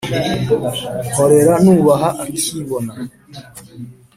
Mporera Nubaha akibona.